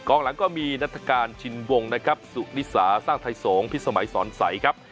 หลังก็มีนัฐกาลชินวงนะครับสุนิสาสร้างไทยสงฆ์พิสมัยสอนใสครับ